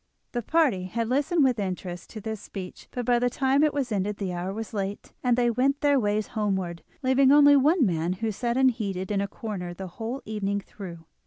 The party had listened with interest to this speech, but by the time it was ended the hour was late, and they went their ways homeward, leaving only one man who had sat unheeded in a corner the whole evening through.